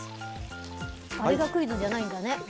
あれがクイズじゃないんだね。